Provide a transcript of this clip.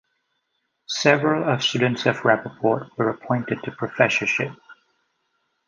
Several of students of Rapoport were appointed to professorships.